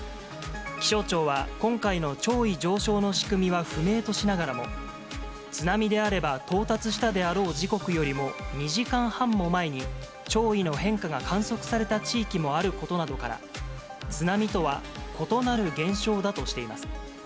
気象庁は、今回の潮位上昇の仕組みは不明としながらも、津波であれば、到達したであろう時刻よりも２時間半も前に、潮位の変化が観測された地域もあることなどから、津波とは異なる現象だとしています。